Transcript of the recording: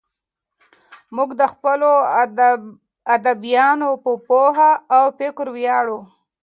موږ د خپلو ادیبانو په پوهه او فکر ویاړو.